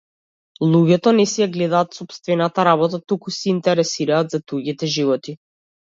Луѓето не си ја гледаат сопстевната работа туку се интересираат за туѓите животи.